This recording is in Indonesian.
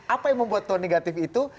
apa yang membuat tone negatif itu